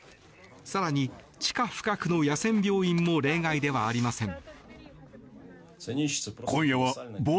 更に地下深くの野戦病院も例外ではありません。